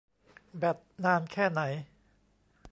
แบตนานแค่ไหน ?